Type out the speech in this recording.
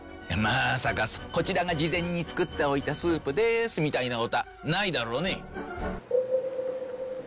まさか「こちらが事前に作っておいたスープです」みたいな事はないだろうね？